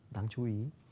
đáng chú ý